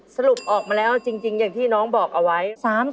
สรุปออกมาแล้วจริงอย่างที่น้องบอกเอาไว้